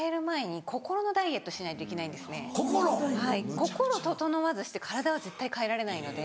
心整わずして体は絶対変えられないので。